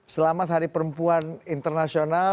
selamat hari perempuan internasional